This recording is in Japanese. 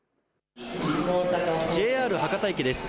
ＪＲ博多駅です。